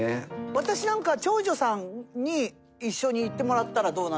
私なんか長女さんに一緒に行ってもらったらどうなのかなって。